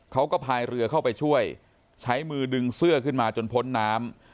พายเรือเข้าไปช่วยใช้มือดึงเสื้อขึ้นมาจนพ้นน้ำ